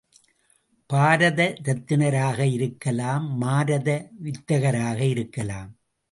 பாரத ரத்தினராக இருக்கலாம் மாரத வித்தகராக இருக்கலாம்.